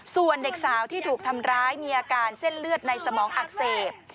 ส่วนเด็กสาวที่ถูกทำร้ายมีอาการเส้นเลือดในสมองอักเสบ